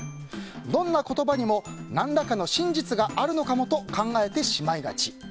どんな言葉にも何らかの真実があるのかも？と考えてしまいがち。